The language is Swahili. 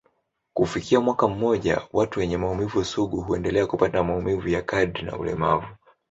Kufikia mwaka mmoja, watu wenye maumivu sugu huendelea kupata maumivu ya kadri na ulemavu.